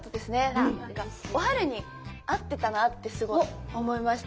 なんかおはるに合ってたなってすごい思いました。